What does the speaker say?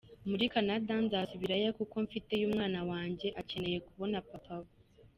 Muri Canada nzasubirayo kuko mfiteyo umwana wanjye, akeneye kubona papa we".